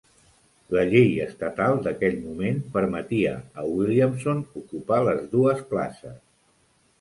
La llei estatal d'aquell moment permetia a Williamson ocupar les dues places.